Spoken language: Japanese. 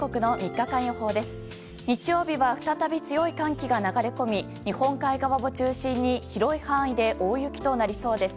日曜日は再び強い寒気が流れ込み日本海側を中心に広い範囲で大雪となりそうです。